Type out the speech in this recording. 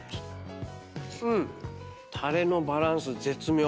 タレのバランス絶妙！